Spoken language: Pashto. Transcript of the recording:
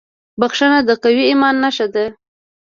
• بښنه د قوي ایمان نښه ده.